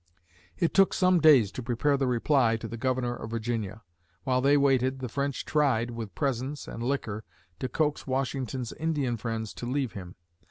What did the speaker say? It took some days to prepare the reply to the Governor of Virginia. While they waited, the French tried, with presents and liquor, to coax Washington's Indian friends to leave him.